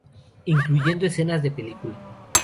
Incluyendo escenas de película.